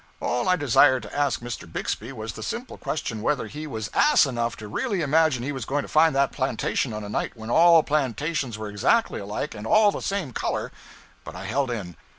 All I desired to ask Mr. Bixby was the simple question whether he was ass enough to really imagine he was going to find that plantation on a night when all plantations were exactly alike and all the same color. But I held in.